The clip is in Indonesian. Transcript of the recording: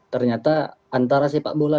ternyata antara sepak bola